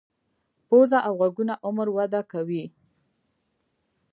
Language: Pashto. پوزه او غوږونه عمر وده کوي.